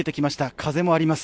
風もあります。